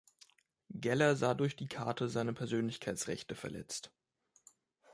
Geller sah durch die Karte seine Persönlichkeitsrechte verletzt.